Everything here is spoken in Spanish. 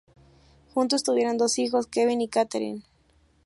Juntos tuvieron dos hijos, Kevin y Katherine.